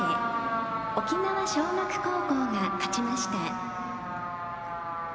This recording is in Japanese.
沖縄尚学高校が勝ちました。